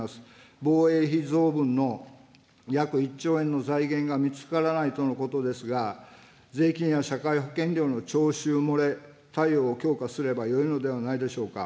防衛費増分の約１兆円の財源が見つからないとのことですが、税金や社会保険料の徴収漏れ対応を強化すればよいのではないでしょうか。